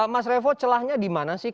mas revo celahnya dimana sih